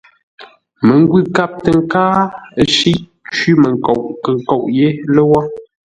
Məngwʉ̂ kâp tə nkáa, ə́ shíʼ; cwímənkoʼ kə̂ nkóʼ yé lə́wó.